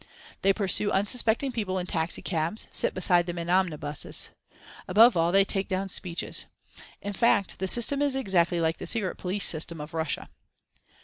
They pursue unsuspecting people in taxicabs, sit beside them in omnibuses. Above all they take down speeches. In fact the system is exactly like the secret police system of Russia.